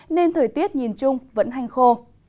nên thời tiết nhìn chung vẫn hành khô